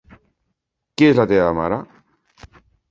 Qui és la teva mare?